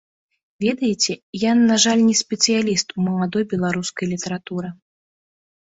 Ведаеце, я, на жаль, не спецыяліст у маладой беларускай літаратуры.